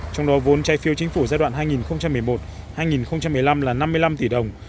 trong đó vốn trai phiêu chính phủ giai đoạn hai nghìn một mươi một hai nghìn một mươi năm là năm mươi năm tỷ đồng